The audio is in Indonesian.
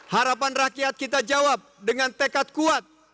harapan rakyat kita jawab dengan tekad kuat